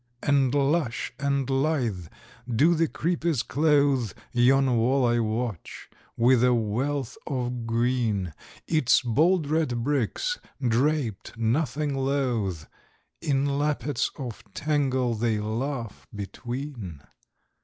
And lush and lithe do the creepers clothe Yon wall I watch, with a wealth of green: Its bald red bricks draped, nothing loth, In lappets of tangle they laugh between.